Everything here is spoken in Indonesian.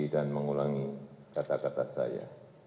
dan mengulangi kata kata saya